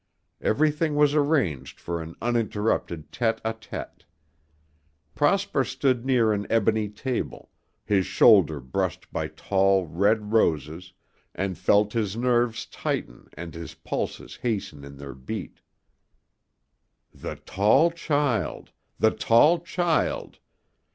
Everything was arranged for an uninterrupted tête à tête. Prosper stood near an ebony table, his shoulder brushed by tall, red roses, and felt his nerves tighten and his pulses hasten in their beat. "The tall child ... the tall child